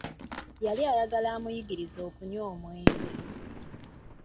Yali ayagala amuyigirize okunywa omwenge.